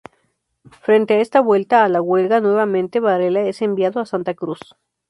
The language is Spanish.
Frente a esta vuelta a la huelga nuevamente Varela es enviado a Santa Cruz.